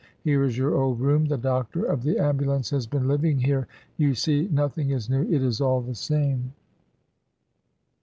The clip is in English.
Here is your old room; the doctor of the ambulance has been living here; you see nothing is new. It is all the same."